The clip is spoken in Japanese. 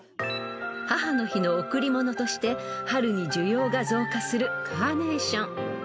［母の日の贈り物として春に需要が増加するカーネーション］